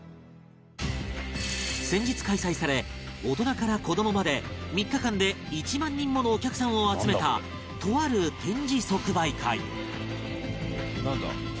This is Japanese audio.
先日開催され大人から子どもまで３日間で１万人ものお客さんを集めたとある展示即売会